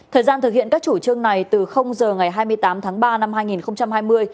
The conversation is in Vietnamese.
thời gian thực hiện các chủ trương này từ giờ ngày hai mươi tám tháng ba năm hai nghìn hai mươi